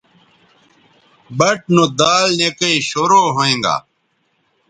بَٹ نو دال نِکئ شروع ھوینگا